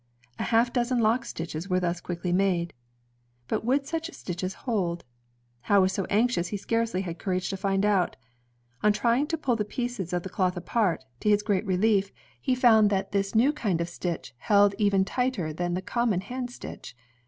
A half dozen lock stitches were thus quickly made. But would such stitches hold? Howe was so anxious he scarcely had courage to find out. On trying to pull the pieces of cloth apart, to his great relief 130 INVENTIONS OF MANUFACTURE AND PRODUCTION he found that this new kind of stitch held even tighter than the common hand stitch.